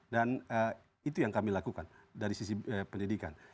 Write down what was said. dan itu yang kami lakukan dari sisi pendidikan